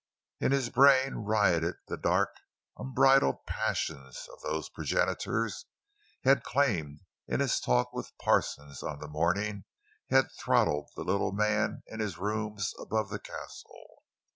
In his brain rioted the dark, unbridled passions of those progenitors he had claimed in his talk with Parsons on the morning he had throttled the little man in his rooms above the Castle.